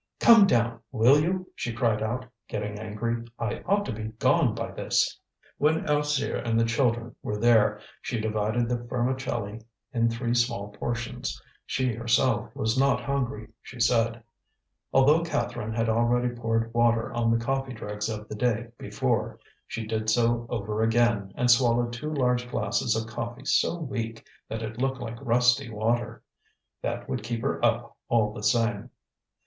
"Come down, will you?" she cried out, getting angry. "I ought to be gone by this!" When Alzire and the children were there she divided the vermicelli in three small portions. She herself was not hungry, she said. Although Catherine had already poured water on the coffee dregs of the day before, she did so over again, and swallowed two large glasses of coffee so weak that it looked like rusty water. That would keep her up all the same.